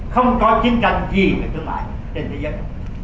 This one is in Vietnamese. không có chiến tranh gì về thương mại trên thế giới